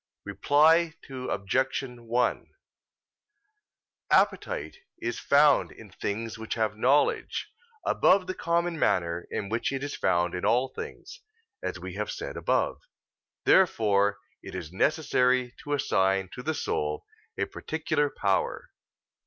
Reply Obj. 1: Appetite is found in things which have knowledge, above the common manner in which it is found in all things, as we have said above. Therefore it is necessary to assign to the soul a particular power.